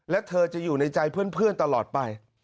และเธอจะอยู่ในใจเพื่อนตลอดไป